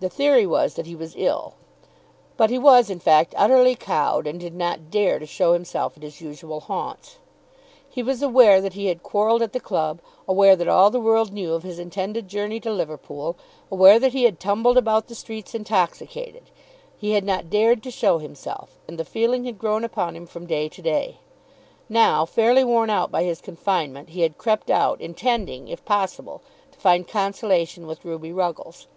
The theory was that he was ill; but he was in fact utterly cowed and did not dare to show himself at his usual haunts. He was aware that he had quarrelled at the club, aware that all the world knew of his intended journey to Liverpool, aware that he had tumbled about the streets intoxicated. He had not dared to show himself, and the feeling had grown upon him from day to day. Now, fairly worn out by his confinement, he had crept out intending, if possible, to find consolation with Ruby Ruggles.